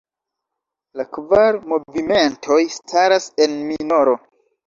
La kvar movimentoj staras en minoro.